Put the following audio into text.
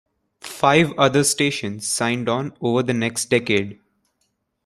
Five other stations signed on over the next decade.